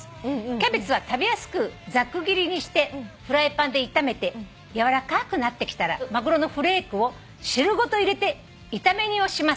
「キャベツは食べやすくざく切りにしてフライパンで炒めてやわらかくなってきたらまぐろのフレークを汁ごと入れて炒め煮をします」